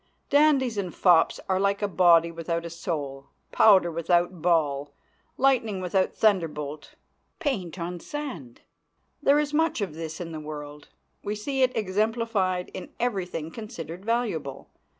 Dandies and fops are like a body without soul, powder without ball, lightning without thunderbolt, paint on sand. There is much of this in the world. We see it exemplified in every thing considered valuable.